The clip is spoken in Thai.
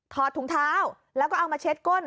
ถุงเท้าแล้วก็เอามาเช็ดก้น